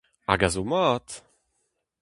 Hag a zo mat !